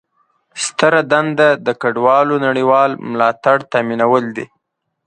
ستره دنده د کډوالو نړیوال ملاتړ تامینول دي.